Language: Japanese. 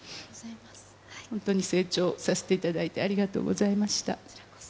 本当に成長させていただいて、ありがとうございました。